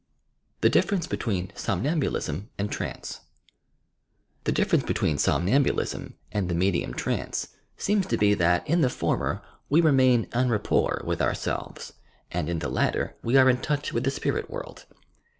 • THE DIFFERENCE BETWEEN SOMNAMBULISM AND TRANCB The differencp between Somnambuliam and the Medium Traiifc seems to be that, in the former, we remain en rapport with ourselves and in the latter we are in touch with the Spirit World.